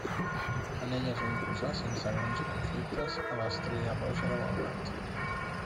En ella es va imposar sense grans conflictes a l'Estrella Roja de Belgrad.